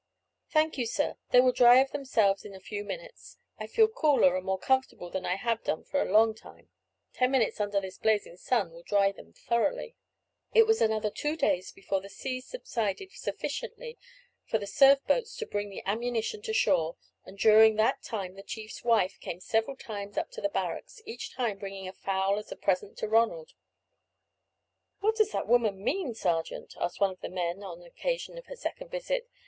"Thank you, sir; they will dry of themselves in a very few minutes. I feel cooler and more comfortable than I have done for a long time; ten minutes under this blazing sun will dry them thoroughly." It was another two days before the sea subsided sufficiently for the surf boats to bring the ammunition to shore, and during that time the chief's wife came several times up to the barracks, each time bringing a fowl as a present to Ronald. "What does that woman mean, sergeant?" one of the men asked on the occasion of her second visit.